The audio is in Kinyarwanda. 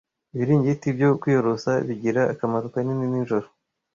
ibiringiti byo kwiyorosa bigira akamaro kanini ninjoro